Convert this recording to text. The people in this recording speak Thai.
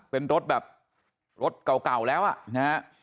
เป็นรถแบบรถเก่าแล้วอ่ะนะฮะ